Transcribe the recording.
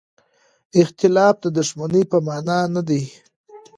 اختلاف د دښمنۍ په مانا نه دی.